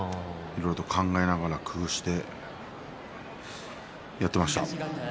考えながら工夫をしてやっていました。